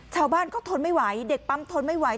ชาวบ้านก็ทนไม่ไหวเด็กปั๊มทนไม่ไหว